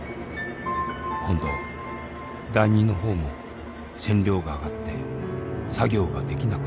今度第二のほうも線量が上がって作業ができなくなっちゃう。